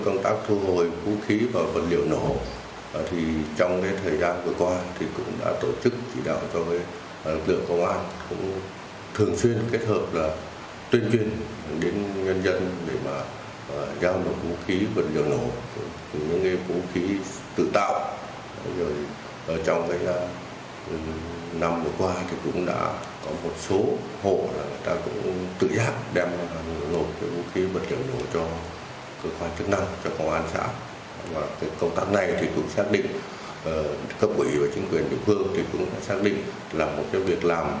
chở theo ba mươi bảy bao tải chở theo ba mươi bảy bao tải chở theo ba mươi bảy bao tải chở theo ba mươi bảy bao tải chở theo ba mươi bảy bao tải chở theo ba mươi bảy bao tải